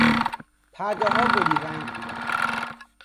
پردهها گلی رنگ بودند.